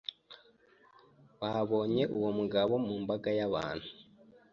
Babonye uwo mugabo mu mbaga y'abantu.